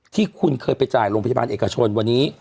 ที่คุณเคยไปจ่ายโรงพยาบาลเอกชนวันนี้